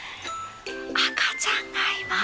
赤ちゃんがいます。